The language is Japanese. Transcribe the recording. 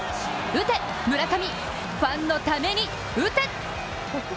打て村上、ファンのために打て！